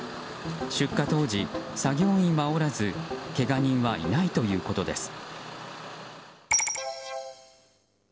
出火当時、作業員はおらずけが人はいないということです。